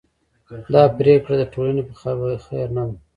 دا پرېکړه د ټولنې په خیر نه ده.